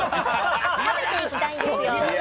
食べていきたいんですよ。